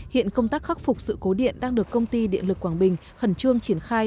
hiện công tác khắc phục sự cố điện đang được công ty điện lực quảng bình khẩn trương triển khai